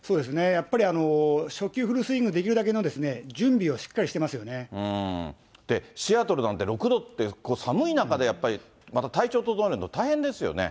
やっぱり初球フルスイング、できるだけの準備をしっかりしてますシアトルなんて６度って寒い中で、やっぱりまた体調を整えるの大変ですよね。